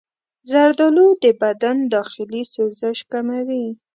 زردآلو د بدن داخلي سوزش کموي.